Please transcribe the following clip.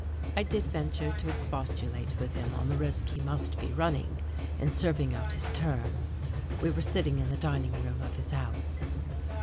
I did venture to expostulate with him on the risk he must be running in serving out his term. We were sitting in the dining room of his house.